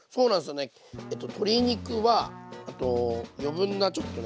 鶏肉は余分なちょっとね